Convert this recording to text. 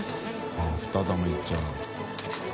あぁ２玉いっちゃう。